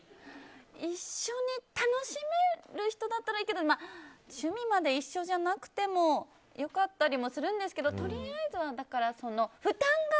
一緒に楽しめる人だったらいいけど趣味まで一緒じゃなくても良かったりもするんですけどとりあえずは、負担が。